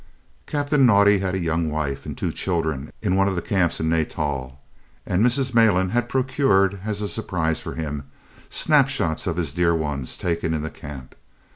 Captain Naudé had a young wife and two children in one of the Camps in Natal, and Mrs. Malan had procured, as a surprise for him, snapshots of his dear ones taken in the Camp.